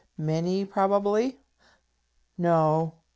"Many, probably?" "No."